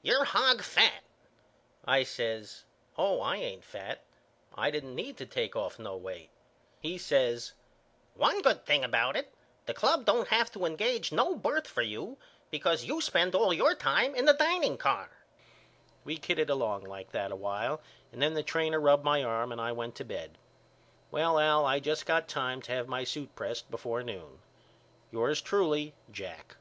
You're hog fat. I says Oh I ain't fat. I didn't need to take off no weight. He says One good thing about it the club don't have to engage no birth for you because you spend all your time in the dining car. We kidded along like that a while and then the trainer rubbed my arm and I went to bed. Well Al I just got time to have my suit pressed before noon. Yours truly, JACK.